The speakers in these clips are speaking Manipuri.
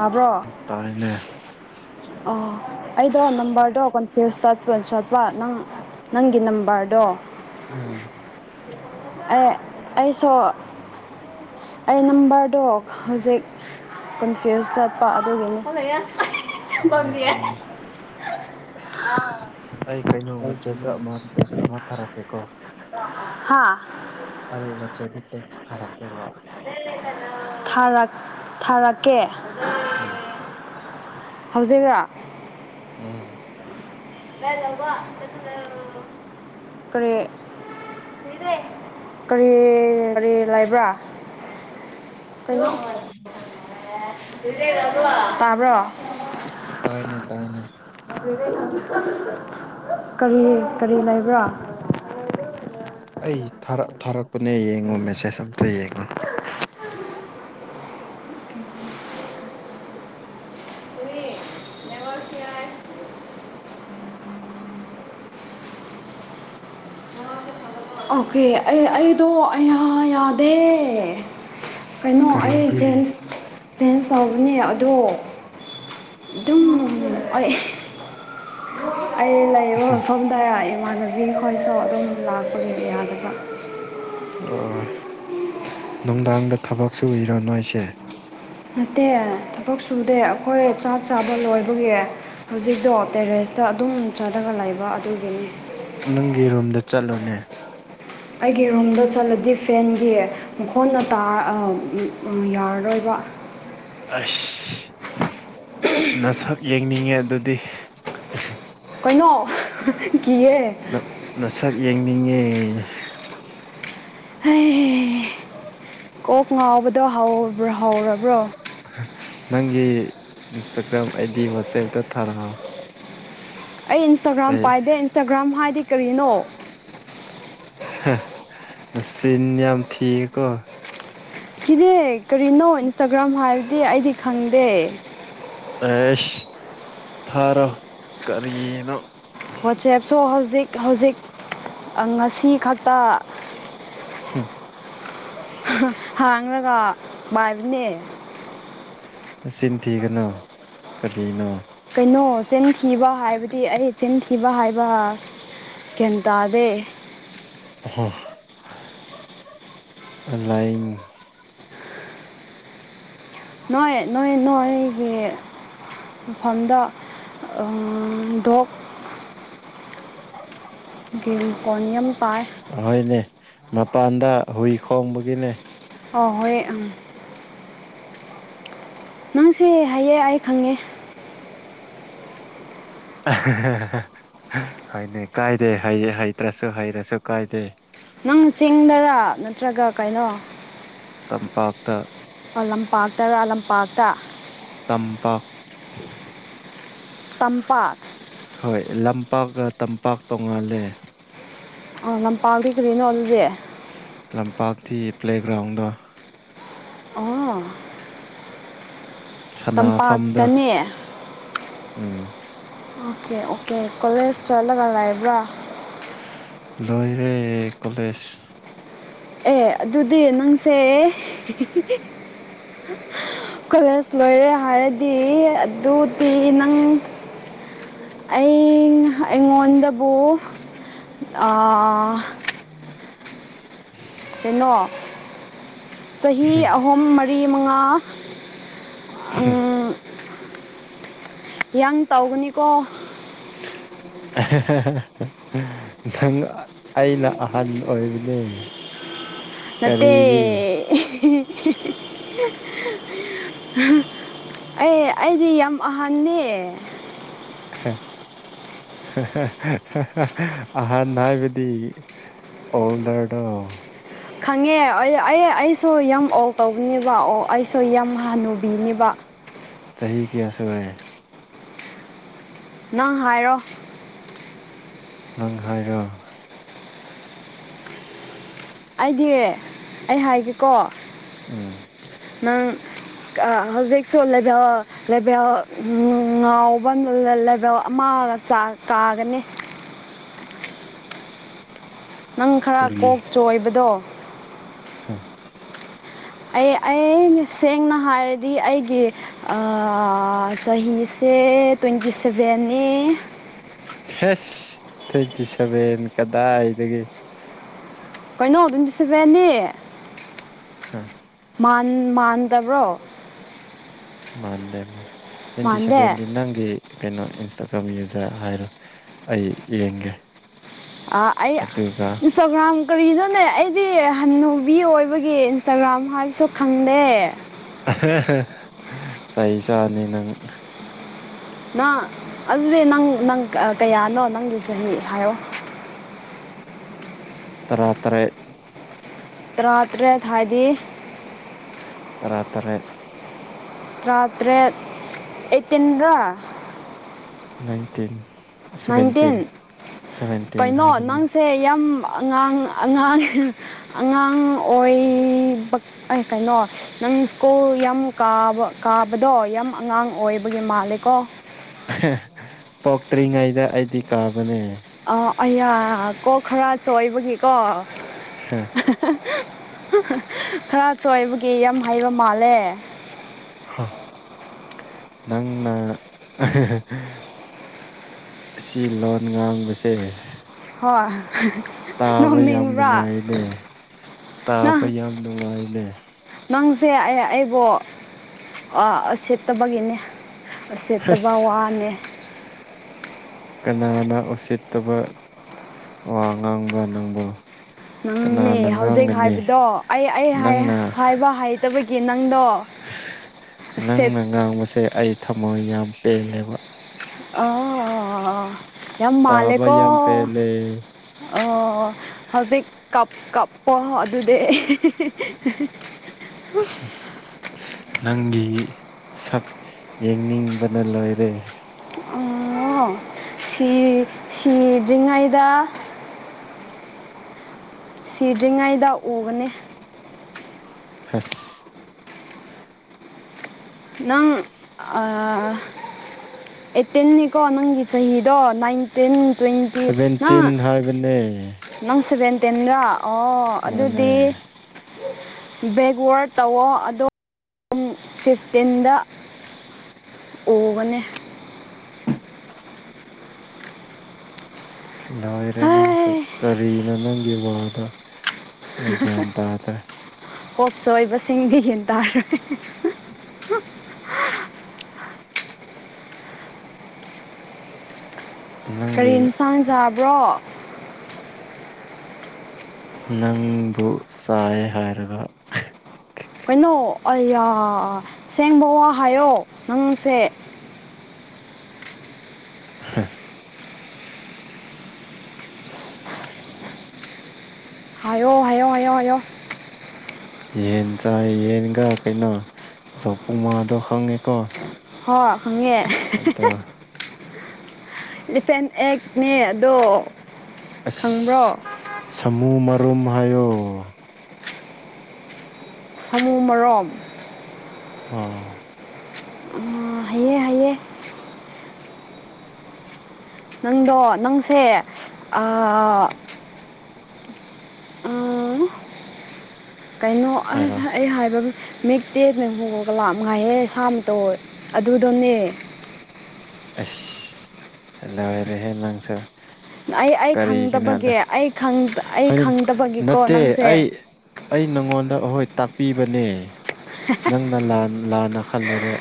ꯃꯥꯕ꯭ꯔꯣ ꯇꯥꯏꯅꯦ ꯑ ꯑꯩꯗꯣ ꯅꯝꯕꯔꯗꯨ ꯀꯟ ꯐꯁ ꯇꯠꯟ ꯁꯠꯄꯥ ꯅꯪ ꯅꯪꯒꯤ ꯅꯝꯕꯔꯗꯣ ꯎꯝ ꯑꯦ ꯑꯩꯁꯨ ꯑꯩ ꯅꯝꯕꯔꯗꯣ ꯍꯧꯖꯤꯛ ꯀꯟꯐ꯭ꯌꯨꯁ ꯆꯠꯄ ꯑꯗꯨꯒꯤꯅꯤ ꯍꯥꯏꯅꯦ ꯑꯁ ꯑꯩ ꯀꯩꯅꯣ ꯋꯥꯆꯦꯞꯇ ꯑꯃ ꯇꯦꯛꯁ ꯑꯃ ꯊꯥꯔꯛꯀꯦ ꯀꯣ ꯍꯥꯥ ꯑ ꯃꯠꯆꯦꯕꯨ ꯇꯦꯛꯁ ꯊꯥꯔꯛꯀꯦꯕ ꯔ ꯊꯔꯛꯀꯦ ꯎꯝ ꯍꯧꯖꯤ꯭ꯔꯥ ꯎꯝ ꯀꯔꯦ ꯀꯔꯤ ꯀꯔꯤ ꯂꯩꯥꯏꯕ꯭ꯔꯥ ꯀ ꯄꯥꯕ꯭ꯔꯣ ꯇꯥꯏꯅꯦ ꯇꯥꯏꯅꯦ ꯀꯔꯤ ꯀꯔꯤ ꯂꯩꯕ꯭ꯔꯥ ꯑꯩ ꯊꯥꯔꯛꯄꯅꯦ ꯌꯦꯡꯉꯣ ꯃꯦꯁꯦꯖ ꯑꯝꯇ ꯌꯦꯡꯉꯣ ꯎ ꯑꯣ [inaudible] ꯑꯣꯀꯦ ꯑꯩ ꯑꯩꯗꯣ ꯑ ꯌꯥꯗꯦ ꯀꯩꯅꯣ ꯑꯩ ꯀꯔꯤꯒꯤ ꯖꯦꯟꯁ ꯖꯦꯟꯁ ꯇꯧꯕꯅꯦ ꯑꯗꯣ ꯑꯗꯨꯝ ꯑꯩ ꯑꯩ ꯂꯩꯕ ꯃꯐꯝꯗ ꯏꯃꯥꯟꯅꯕꯤ ꯈꯣꯏꯁꯨ ꯑꯗꯨꯝ ꯂꯥꯛꯄꯒꯤꯕ ꯌꯥꯗꯕ ꯑꯣ [unintelligible] ꯅꯨꯡꯗꯥꯡꯗ ꯊꯕꯛꯁꯨ ꯎꯏꯔꯣ ꯅꯣꯏ ꯑꯩꯁꯦ ꯅꯠꯇꯦ ꯊꯕꯛ ꯁꯨꯗꯦ ꯑꯩꯈꯣꯏ ꯆꯥꯛ ꯆꯥꯕ ꯂꯣꯏꯕꯒꯤ ꯍꯧꯖꯤꯛꯇꯣ ꯇꯦꯔꯦꯁ ꯁꯤꯗ ꯑꯗꯨꯝ ꯆꯥꯊꯅ ꯂꯩꯕ ꯑꯗꯨꯒꯤꯅꯤ ꯅꯪꯒꯤ ꯔꯨꯝꯗ ꯆꯠꯂꯨꯅꯦ ꯑꯩꯒꯤ ꯔꯨꯝꯗ ꯆꯠꯂꯗꯤ ꯐꯦꯟꯒꯤ ꯃꯈꯣꯟꯅ ꯇꯥ ꯌꯥꯔꯔꯣꯏꯕ ꯑꯁ ꯅꯁꯛ ꯌꯦꯡꯅꯤꯡꯉꯦ ꯑꯗꯨꯗꯤ ꯀꯩꯅꯣ ꯀꯌꯦ ꯅꯁꯛ ꯌꯦꯡꯅꯤꯡꯏꯤ ꯍ ꯀꯣꯛ ꯉꯥꯎꯕꯗꯣ ꯍꯥꯎꯕ꯭ꯔꯣ ꯍꯧꯥꯎꯔꯕ꯭ꯔꯣ ꯅꯪꯒꯤ ꯏꯟꯁꯇꯥꯒ꯭ꯔꯥꯝ ꯑꯩꯗꯤ ꯋꯥꯆꯦꯞꯇ ꯊꯥꯔꯛꯑꯣꯑꯣ ꯑꯩ ꯏꯟꯁꯇꯥꯒ꯭ꯔꯥꯝ ꯄꯥꯏꯗꯦ ꯏꯟꯁꯇꯥꯒ꯭ꯔꯥꯝ ꯍꯥꯏꯗꯤ ꯀꯔꯤꯅꯣ ꯁꯤꯟ ꯌꯥꯝ ꯌꯥꯝ ꯊꯀꯣ ꯁꯤꯗꯤ ꯀꯔꯤꯅꯣ ꯏꯟꯁꯇꯥꯒ꯭ꯔꯥꯝ ꯍꯥꯏꯕꯗꯤ ꯑꯩꯗꯤ ꯈꯪꯗꯦ ꯑꯦꯁ ꯊꯥꯔꯣ ꯀꯔꯤꯅꯣ ꯋꯥꯆꯦꯞꯁꯨ ꯍꯧꯖꯤꯛ ꯍꯧꯖꯤꯛ ꯉꯁꯤ ꯈꯛꯇ ꯍꯝ [inaudible] ꯍꯥꯡꯂꯒ ꯕꯥꯥꯏꯔꯤꯅꯦ ꯆꯤꯟꯤꯟ ꯊꯤꯒꯅ ꯀꯔꯤꯅ ꯀꯩꯅꯣ ꯆꯦꯟꯈꯤꯕ ꯍꯥꯏꯕꯗꯤ ꯑꯩ ꯆꯦꯟꯈꯤꯕ ꯍꯥꯏꯕ ꯒ꯭ꯌꯥꯟꯇ [inaudible] ꯂꯥꯏꯟ [inaudible] ꯅꯣꯏ ꯅꯣꯏ ꯅꯣꯏꯒꯤ ꯃꯐꯝꯗ ꯗꯣꯛ ꯒꯔꯤꯀꯣꯅꯤꯌꯝ ꯄꯥꯔ ꯑꯍꯣꯏꯅꯦ ꯃꯄꯥꯟꯗ ꯍꯨꯏ ꯈꯣꯡꯕꯒꯤꯅꯦ ꯑ ꯍꯣꯏ ꯑꯝ ꯅꯪꯁꯦ ꯍꯥꯏꯌꯦ ꯑꯩ ꯈꯪꯉꯦ ꯍꯥꯏꯅꯦ ꯀꯥꯏꯗꯦ ꯍꯩꯇ꯭ꯔꯁꯨ ꯍꯩꯔꯁꯨ ꯀꯥꯏꯗꯦ ꯅꯪꯅ ꯆꯤꯡꯗꯔꯥ ꯅꯠꯇ꯭ꯔꯒ ꯀꯩꯅꯣ ꯇꯝꯄꯥꯛꯇ ꯂꯝꯄꯥꯛꯇꯔ ꯂꯝꯄꯥꯛꯇ ꯇꯝꯄꯥꯛ ꯇꯝꯄꯥꯛ ꯍꯣꯏ ꯂꯝꯄꯥꯛꯀ ꯇꯝꯄꯥꯛ ꯇꯣꯡꯉꯥꯜꯂꯦ ꯂꯝꯄꯥꯛꯗꯤ ꯀꯔꯤꯅꯣ ꯑꯗꯨꯗꯤ ꯂꯝꯄꯥꯛꯇ ꯄ꯭ꯂꯦꯒ꯭ꯔꯥꯎꯟꯗꯣ ꯑꯣ ꯁꯅꯐꯝꯗ ꯇꯝꯄꯥꯛꯇꯅꯦ ꯎꯝ ꯑꯣꯀꯦ ꯑꯣꯀꯦ ꯀꯣꯂꯦꯖ ꯆꯠꯂꯒ ꯂꯥꯛꯕ꯭ꯔꯥ ꯂꯣꯏꯔꯦ ꯀꯣꯂꯦꯖ ꯑꯦ ꯑꯗꯨꯗꯤ ꯅꯪꯁꯦ ꯀꯣꯂꯦꯖ ꯂꯣꯏꯔꯦ ꯍꯥꯏꯔꯗꯤ ꯑꯗꯨꯗꯤ ꯅꯪ ꯑꯩ ꯑꯩꯉꯣꯟꯗꯕꯨ ꯎꯝ [inaudible] ꯀꯩꯅꯣ ꯆꯍꯤ ꯑꯍꯨꯝ ꯃꯔꯤ ꯃꯉꯥ ꯎ [inaudible] ꯌꯥꯝ ꯇꯥꯎꯒꯅꯤꯀꯣ ꯅꯪ ꯑꯩꯅ ꯑꯍꯟ ꯑꯣꯏꯕꯅꯦ ꯅꯠꯇꯦ ꯀꯔꯤꯒꯤ ꯑꯦ ꯑꯩꯗꯤ ꯌꯥꯝ ꯑꯍꯟꯅꯦ ꯍ [inaudible] ꯑꯍꯥꯟ ꯍꯥꯏꯕꯗꯤ ꯑꯣꯜ ꯗꯦꯠ [inaudible] ꯈꯪꯉꯦ ꯑꯩ ꯑꯦ ꯑꯩꯁꯨ ꯌꯥꯝ ꯑꯣꯜ ꯇꯧꯒꯅꯦꯕ ꯑꯣ ꯑꯩꯁꯨ ꯌꯥꯝ ꯍꯅꯨꯕꯤꯅꯦꯕ ꯆꯍꯤ ꯆꯍꯤ ꯀꯌꯥꯁꯨꯔꯦ ꯅꯪ ꯍꯥꯏꯔꯣ ꯅꯪ ꯍꯥꯏꯔꯣ ꯑꯩꯗꯤ ꯑꯩ ꯍꯥꯏꯒꯦꯀꯣ ꯎꯝ ꯅꯪ ꯍꯧꯖꯤꯛ ꯁꯨ ꯂꯦꯕꯦꯟ ꯂꯕꯦꯜ ꯉꯥꯎꯕ ꯂꯩꯕꯦꯜ ꯑꯃꯒ ꯀꯥꯒꯅꯤ ꯅꯪ ꯈꯔ ꯀꯣꯛ ꯆꯣꯏꯕꯗꯣ ꯍꯥ [inaudible] ꯑꯩ ꯑ ꯁꯦꯡꯅ ꯍꯥꯏꯔꯗꯤ ꯑꯩꯒꯤ ꯆꯍꯤꯁꯦ ꯇ꯭ꯋꯦꯟꯇꯤ ꯁꯦꯚꯦꯟꯅꯤ ꯍꯁ ꯇ꯭ꯋꯦꯟꯇꯤ ꯁꯚꯦꯟ ꯀꯗꯥꯏꯗꯒꯤ ꯀꯩꯅꯣ ꯑꯗꯨꯝ ꯆ ꯁꯕ ꯌꯥꯅꯦ ꯍꯥ ꯃꯥꯟ ꯃꯥꯟꯗꯕ꯭ꯔꯣ ꯃꯥꯟꯗꯦ ꯃꯥ ꯇ꯭ꯋꯦꯟꯇꯤ ꯃꯥꯟꯗꯦ ꯁꯦꯚꯦꯟꯗꯤ ꯅꯪꯒꯤ ꯀꯩꯅꯣ ꯏꯟꯁꯇꯥꯒ꯭ꯔꯥꯝ ꯌꯨꯖꯔ ꯍꯥꯏꯔꯣ ꯑꯩ ꯌꯦꯡꯒꯦ ꯑ ꯑꯩ ꯑꯗꯨꯒ ꯏꯟꯁꯇꯒ꯭ꯔꯝ ꯀꯔꯤꯅꯣꯅꯦ ꯑꯩꯗꯤ ꯍꯟꯅꯟꯅꯨꯕꯤ ꯑꯣꯏꯕꯒꯤ ꯏꯟꯁꯇꯥꯒ꯭ꯔꯥꯝ ꯍꯥꯏꯕꯁꯨ ꯈꯪꯗꯦ ꯆꯍꯤ ꯆꯥꯅꯤ ꯅꯪ ꯅ ꯑꯗꯨꯗꯤ ꯅꯪ ꯅꯪ ꯀꯌꯥꯅꯣ ꯅꯪꯗꯨꯨ ꯆꯍꯤꯅꯤ ꯍꯥꯏꯌꯣ ꯇꯔꯥ ꯇꯔꯦꯠ ꯇꯔꯥꯇꯔꯦꯠ ꯍꯥꯏꯗꯤ ꯇꯔꯥꯇꯔꯦꯠ ꯔꯇꯔꯦ ꯑꯦꯇꯦꯟꯒ ꯅꯥꯏꯟꯇꯤꯟ ꯅꯥꯏꯟꯇꯤꯟ ꯁꯚꯦꯟꯇꯤꯟ ꯁꯚꯦꯟꯇꯤꯟ ꯀꯩꯅꯣ ꯍꯥꯏꯕꯅꯤꯅ ꯅꯪꯁꯦ ꯌꯥꯝ ꯑꯉꯥꯡ ꯑꯉꯥꯡ ꯑꯉꯥꯡ ꯑꯣꯏꯕ ꯑꯩ ꯀꯩꯅꯣ ꯅꯪ ꯁ꯭ꯀꯨꯜ ꯌꯥꯝ ꯀꯥꯕ ꯀꯥꯕꯗꯣ ꯌꯥꯝ ꯑꯉꯥꯡ ꯑꯣꯏꯕꯒꯤ ꯃꯥꯂꯦꯀꯣ ꯄꯣꯛꯇ꯭ꯔꯤꯉꯩꯗ ꯑꯩꯗꯤ ꯀꯥꯕꯅꯦ ꯑꯌꯥ ꯀꯣ ꯈꯔ ꯆꯣꯏꯕꯒꯤꯀꯣ ꯍꯥꯥ ꯈꯔ ꯆꯣꯏꯕꯒꯤ ꯌꯥꯝ ꯍꯩꯕ ꯃꯥꯜꯂꯦ ꯅꯪꯅ ꯑꯁꯤ ꯂꯣꯟ ꯉꯥꯡꯕꯁꯦ ꯍꯣꯏ ꯇꯥꯕ ꯌꯥꯝ ꯅꯣꯛꯅꯤꯡꯕ꯭ꯔꯥ ꯅꯨꯡꯉꯥꯏꯅꯦꯦ ꯇꯥꯕ ꯅꯪ ꯌꯥꯝ ꯅꯨꯡꯉꯥꯏꯅꯦ ꯅꯪꯁꯦ ꯑꯩꯕꯨꯣ ꯁꯦꯠꯇꯕꯒꯤꯅꯦ ꯁꯦꯠꯇꯕ ꯑꯁ [inaudible] ꯀꯅꯥꯅ ꯎꯁꯤꯠꯇꯕ ꯋꯥ ꯉꯥꯡꯕ꯭ꯔꯥ ꯅꯪꯕ꯭ꯔꯣ ꯅꯝꯅꯦ ꯍꯧꯖꯤꯛ ꯍꯥꯏꯕꯗꯣ ꯑꯩ ꯑꯩ ꯅꯪꯅ ꯍꯥꯏꯕ ꯍꯩꯇꯕꯒꯤ ꯅꯪꯗꯣ ꯁꯦꯠ ꯅꯪꯅ ꯉꯥꯡꯕꯁꯦ ꯑꯩ ꯊꯃꯣꯏ ꯌꯥꯝ ꯄꯦꯜꯂꯦꯕ꯫ ꯑ [unintelligible] ꯌꯥꯝ ꯇꯥꯕ ꯃꯥꯂꯦꯀꯣ꯫ ꯌꯥꯝ ꯄꯦꯜꯂꯦ ꯑꯣ ꯍꯧꯖꯤꯛ ꯀꯞ ꯀꯞ ꯍꯣ ꯑꯗꯨꯤ [unintelligible] ꯅꯪꯒꯤ ꯁꯛ ꯌꯦꯡꯅꯤꯡꯕꯅ ꯂꯣꯏꯔꯦ꯫ ꯑꯣ ꯁꯤ ꯁꯤꯗ꯭ꯔꯤꯉꯩꯗ ꯁꯤꯗ꯭ꯔꯤꯉꯩꯗ ꯎꯕꯅꯦ꯫ ꯍꯁ ꯅꯪ ꯑ ꯑ ꯑꯩꯠꯇꯦꯟꯅꯤꯀꯣ ꯅꯪꯒꯤ ꯆꯍꯤꯗꯣ ꯅꯥꯏꯟ ꯇꯤꯟ ꯇ꯭ꯋꯦꯟꯇꯤ ꯅ ꯁꯚꯦꯟꯇꯤꯟ ꯍꯥꯏꯕꯅꯦ ꯅꯪ ꯁꯚꯦꯟ ꯇꯤꯟꯔꯣ ꯑꯣ ꯃꯥꯅꯦ ꯑꯗꯨꯗꯤ ꯕꯦꯛꯋꯥꯔꯠ ꯇꯧꯋꯣ ꯑꯗꯣ ꯐꯤꯐꯇꯤꯟꯗ ꯎꯒꯅꯤ꯫ ꯂꯣꯏꯔꯦ ꯅꯪꯁꯨ ꯍꯩ ꯀꯔꯤꯅꯣ ꯅꯪꯒꯤ ꯋꯥꯗꯣꯣ꯫ [unintelligible] ꯀꯣꯛꯆꯣꯏꯕꯁꯤꯡꯗꯤ ꯍꯦꯟ [unintelligible] ꯀꯔꯤ ꯅꯪꯒꯤ ꯏꯟꯁꯥꯡ ꯆꯥꯕ꯭ꯔꯣ꯫ ꯅꯪꯕꯨ ꯆꯥꯏ ꯍꯥꯏꯔꯒ꯫ ꯀꯩꯅꯣ ꯑꯩꯌꯥ ꯑꯁꯦꯡꯕ ꯋꯥ ꯍꯥꯏꯌꯣ ꯅꯪꯁꯦ ꯍꯥ ꯍꯥꯏꯌꯣ ꯍꯥꯏꯌꯣ ꯍꯥꯏꯌꯣ ꯍꯥꯏꯌꯣ꯫ ꯌꯦꯟ ꯆꯥꯏ ꯌꯦꯟꯒ ꯀꯩꯅꯣ ꯆꯧꯄꯨꯃꯉꯥꯗꯣ ꯈꯪꯉꯤꯀꯣ꯫ ꯍꯣꯏ ꯈꯪꯉꯦ꯫ ꯑꯗꯣ ꯏꯂꯤꯐꯦꯟ ꯑꯦꯛꯅꯦ ꯑꯗꯣ꯫ ꯈꯪꯕ꯭ꯔꯣ ꯑꯁ ꯁꯥꯃꯨ ꯃꯔꯨꯝ ꯍꯥꯏꯌꯣ꯫ ꯁꯥꯃꯨ ꯃꯔꯣꯝ ꯑ [inaudible] ꯑꯡ ꯍꯥꯏꯌꯦ ꯍꯥꯏꯌꯦ꯫ ꯅꯪꯗꯣ ꯅꯪꯁꯦ ꯑ [unintelligible] ꯎ ꯀꯩꯅꯣ ꯍꯥꯏꯔꯣ ꯑꯁ ꯑꯩ ꯍꯥꯏꯕ ꯃꯤꯛꯇꯦ ꯃꯦꯡꯍꯨꯒ ꯂꯥ ꯃ ꯉꯥꯏꯍꯦ ꯁꯥꯕ ꯇꯧ ꯑꯗꯨꯗꯣꯅꯦ ꯑꯦꯁ ꯂꯣꯏꯔꯦꯍꯦ ꯅꯪꯁꯨ꯫ ꯑꯩ ꯑꯩ ꯀꯔꯤꯒꯤꯅꯣ ꯑꯗꯨ ꯈꯪꯗꯕꯒꯤ ꯑꯩ ꯈꯪ ꯑꯩ ꯍꯗꯤ ꯈꯪꯗꯕꯒꯤꯀꯣ ꯅꯠꯇꯦ ꯅꯪꯁꯦ ꯑꯩ ꯑꯩ ꯅꯪꯉꯣꯟꯗ ꯑꯩꯍꯣꯏ ꯇꯥꯛꯄꯤꯕꯅꯦ ꯅꯪꯅ ꯂꯥꯟꯅ ꯈꯜꯂꯨꯔꯦ꯫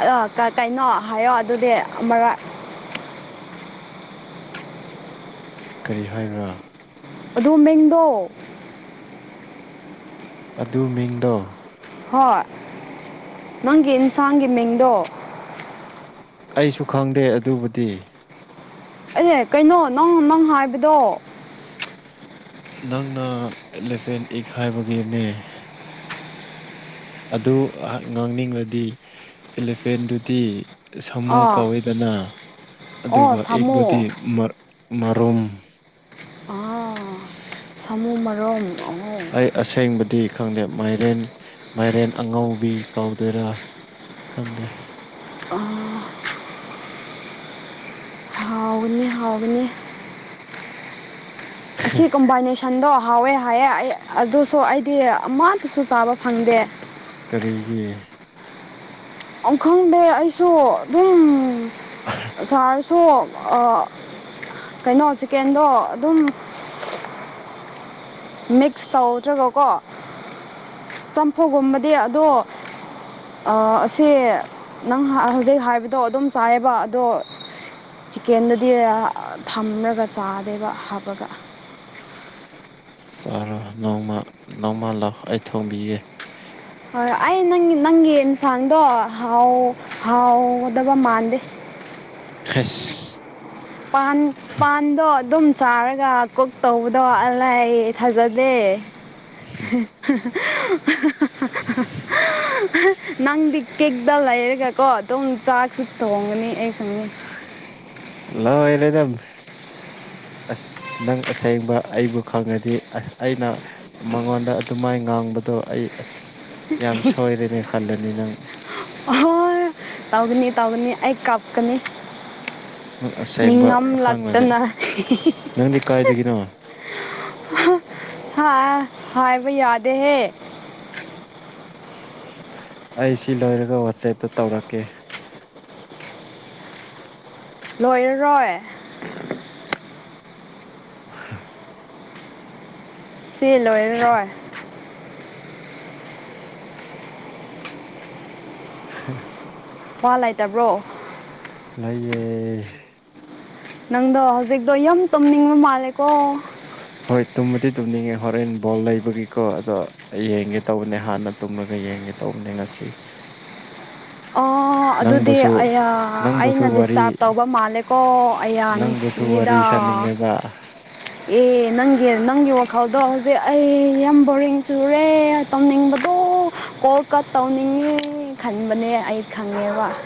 ꯑꯗ ꯀꯩꯅꯣ ꯍꯥꯏꯌꯣ ꯑꯗꯨꯗꯤ ꯑꯃꯔꯛ ꯀꯔꯤ ꯍꯥꯏꯕ꯭ꯔꯥ ꯑꯗꯨ ꯃꯤꯡꯗꯣ ꯑꯗꯨ ꯃꯤꯡꯗꯣ ꯍꯣꯏ ꯅꯪꯒꯤ ꯏꯟꯁꯥꯡꯒꯤ ꯃꯤꯡꯗꯣ꯫ ꯑꯩꯁꯨ ꯈꯪꯗꯦ ꯑꯗꯨꯕꯨꯗꯤ꯫ ꯑꯌꯥ ꯀꯩꯅꯣ ꯅꯪ ꯅꯪ ꯍꯥꯏꯕꯗꯣ꯫ ꯅꯪꯅ ꯑꯦꯂꯦꯐꯦꯟ ꯏꯛ ꯍꯥꯏꯕꯒꯤꯅꯦ꯫ ꯑꯗꯨ ꯉꯥꯡꯅꯤꯡꯉꯗꯤ ꯑꯦꯂꯤꯐꯦꯟꯗꯨꯗꯤ ꯁꯥꯃꯨ ꯑꯥ ꯀꯧꯋꯦꯗꯅ ꯑꯣ ꯑꯗꯨꯒ ꯁꯥꯃꯨ ꯑꯦꯛꯇꯨꯗꯤ ꯃꯔꯨꯝ꯫ ꯑꯣ ꯁꯥꯃꯨ ꯃꯔꯝ ꯑꯣ ꯑꯩ ꯑꯁꯦꯡꯕꯗꯤ ꯈꯪꯗꯦ ꯃꯥꯏꯔꯦꯟ ꯃꯥꯏꯔꯦꯟ ꯑꯉꯧꯕꯤ ꯀꯧꯗꯣꯏꯔꯥ ꯈꯪꯗꯦ꯫ ꯑꯥ ꯍꯥꯎꯒꯅꯤ ꯍꯥꯎꯒꯅꯤ ꯑꯁꯤ ꯀꯝꯕꯥꯏꯅꯦꯁꯟ ꯁꯟꯗꯣ ꯍꯥꯎꯋꯦ ꯍꯥꯏꯑꯦ ꯑꯩ ꯑꯗꯨꯁꯨ ꯑꯩꯗꯤ ꯑꯃꯗꯨꯁꯨ ꯆꯥꯕ ꯐꯪꯗꯦ ꯀꯔꯤꯒꯤ ꯑꯩ ꯈꯪꯗꯦ ꯑꯩꯁꯨ ꯑꯗꯨꯝ ꯁꯥꯔꯁꯨ ꯑ ꯀꯩꯅꯣ ꯆꯤꯀꯦꯟꯗꯣ ꯑꯗꯨꯝ ꯃꯤꯛꯁ ꯇꯧꯗ꯭ꯔꯒꯀꯣ ꯆꯝꯐꯨꯒꯨꯝꯕꯗꯤ ꯑꯗꯨꯝ ꯑ ꯑꯁꯦ ꯅꯪ ꯍꯤꯏ ꯍꯧꯖꯤꯛ ꯍꯥꯏꯕꯗꯣ ꯑꯗꯨꯝ ꯆꯥꯏꯌꯦꯕ ꯑꯗꯣ ꯆꯤꯀꯦꯟꯗꯗꯤ ꯑ ꯊꯝꯂꯒ ꯆꯥꯗꯦꯕ ꯍꯥꯞꯄꯒ ꯆꯥꯔꯣ ꯅꯣꯡꯃ ꯅꯣꯡꯃꯥ ꯂꯥꯛꯑꯣ ꯑꯩ ꯊꯣꯡꯕꯤꯒꯦ ꯑꯩ ꯅꯪ ꯅꯪꯒꯤ ꯑꯦꯟꯁꯥꯡꯗꯣ ꯍꯥꯎ ꯍꯥꯎꯒꯗꯕ ꯃꯥꯟꯗꯦ ꯑꯁ ꯄꯥꯟ ꯄꯥꯟꯗꯣ ꯑꯗꯨꯝ ꯆꯥꯔꯒ ꯀꯨꯛ ꯇꯧꯕꯗꯣ ꯂꯥꯏ ꯊꯖꯗꯦ ꯅꯪꯗꯤ ꯀꯤꯛꯗ ꯂꯩꯔꯒ ꯀꯣ ꯗꯨꯝ ꯆꯥꯛꯁꯤ ꯊꯣꯡꯒꯅꯤ ꯑꯩ ꯈꯪꯉꯤ ꯂꯣꯢꯔꯦꯅꯦ ꯑꯁ ꯅꯪ ꯑꯁꯦꯡꯕ ꯑꯩꯕꯨ ꯈꯪꯉꯗꯤ ꯑꯩꯅ ꯃꯉꯣꯟꯗ ꯑꯗꯨꯃꯥꯏꯅ ꯉꯥꯡꯕꯗꯣ ꯑꯩ ꯑꯁ ꯌꯥꯝ ꯁꯣꯏꯔꯦꯅꯦ ꯈꯜꯂꯅꯤ ꯅꯪ ꯍꯣꯏ ꯇꯧꯒꯅꯤ ꯇꯧꯒꯅꯤ ꯑꯩ ꯀꯞꯀꯅꯤ ꯅꯪ ꯑꯁꯦꯡꯕ ꯅꯤꯡꯉꯝ ꯍꯪꯉꯒꯦ ꯂꯛꯇꯅ ꯅꯪꯗꯤ ꯀꯥꯏꯗꯒꯤꯅꯣ ꯍꯥꯥ ꯍꯥꯏꯕ ꯌꯥꯗꯦ ꯍꯦ ꯑꯩ ꯁꯤ ꯂꯣꯏꯔꯒ ꯋꯥꯆꯦꯞꯇ ꯇꯧꯔꯛꯀꯦ ꯂꯣꯏꯔꯔꯣꯏ ꯍ [inaudible] ꯆꯦ ꯂꯣꯏꯔꯔꯣꯏ ꯍ [inaudible] ꯋꯥ ꯂꯩꯇꯕ꯭ꯔꯣ ꯂꯩꯌꯦ ꯅꯪꯗꯣ ꯍꯧꯖꯤꯛꯇꯣ ꯌꯨꯝ ꯇꯨꯝꯅꯤꯡꯕ ꯃꯥꯜꯂꯦꯀꯣ ꯍꯣꯏ ꯇꯨꯝꯃꯗꯤ ꯇꯨꯝꯅꯤꯡꯉꯦ ꯍꯣꯔꯦꯟ ꯕꯣꯜ ꯂꯩꯕꯒꯤꯀꯣ ꯑꯗꯣ ꯑꯩ ꯌꯦꯡꯒꯦ ꯇꯧꯕꯅꯦ ꯍꯥꯟꯅ ꯇꯨꯝꯂꯒ ꯌꯦꯡꯒꯦ ꯇꯧꯕꯅꯦ ꯉꯁꯤ [unintelligible] ꯑꯣ ꯑꯗꯨꯗꯤ ꯅꯪꯕꯨꯁꯨ ꯑꯌꯥ ꯅꯪꯕꯨꯁꯨ ꯑꯩꯅ ꯗꯤꯁꯇꯥꯔꯕ ꯋꯥꯔꯤ ꯇꯧꯕ ꯃꯥꯜꯂꯦꯀꯣ ꯑꯩꯌꯥ ꯅꯨꯁꯤ ꯅꯪꯕꯨꯁꯨ ꯁꯤꯗꯥ ꯋꯥꯔꯤ ꯁꯥꯅꯤꯡꯉꯦꯕ ꯑꯦ ꯅꯪꯒꯤ ꯅꯪꯒꯤ ꯋꯥꯈꯜꯗꯣ ꯍꯧꯖꯤꯛ ꯑꯩ ꯌꯥꯝ ꯕꯣꯔꯤꯡ ꯆꯨꯔꯦ ꯇꯧꯅꯤꯡꯕꯗꯣ ꯀꯣꯜ ꯀꯠ ꯇꯧꯅꯤꯡꯉꯤ ꯈꯟꯕꯅꯦ ꯑꯩ ꯈꯪꯉꯦꯕ